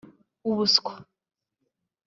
Ubuswa